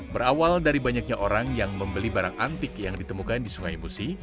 berawal dari banyaknya orang yang membeli barang antik yang ditemukan di sungai musi